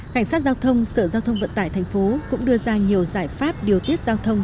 cảnh sát giao thông sở giao thông vận tải thành phố cũng đưa ra nhiều giải pháp điều tiết giao thông